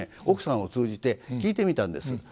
奥さんを通じて聞いてみたんです。